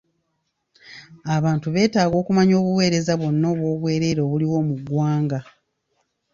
Abantu beetaaga okumanya obuweereza bwonna obw'obwereere obuliwo mu ggwanga.